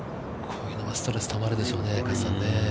こういうのはストレスたまるでしょうね加瀬さん。